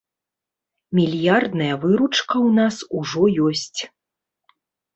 Мільярдная выручка ў нас ужо ёсць.